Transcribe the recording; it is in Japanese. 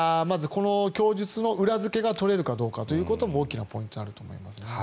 この供述の裏付けが取れるかというのが大きなポイントになると思います。